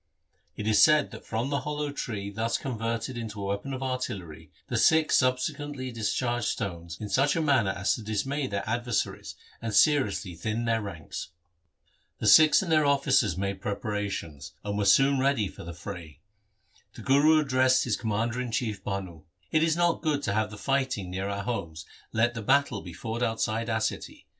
It is said that from the hollow tree thus converted into a weapon of artillery the Sikhs subsequently discharged stones in such a manner as to dismay their adversaries and seriously thin their ranks. The Sikhs and their officers made preparations, and were soon ready for the fray. The Guru addressed his commander in chief Bhanu : 'It is not good to have the fighting near our homes, let the battle be fought outside our city.